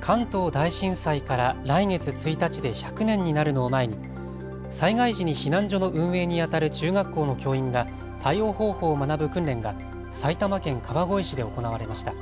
関東大震災から来月１日で１００年になるのを前に災害時に避難所の運営にあたる中学校の教員が対応方法を学ぶ訓練が埼玉県川越市で行われました。